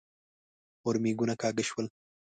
ورمېږونه کاږه شول.